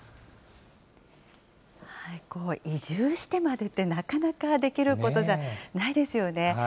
移住してまでってなかなかできることじゃないですよね。